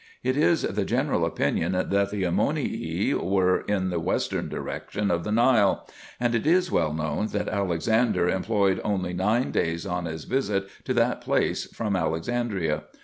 It is the general opinion, that the Ammonii were in the western direction of the Nile ; and it is well known that Alexander employed only nine days on his visit to that place from Alexandria.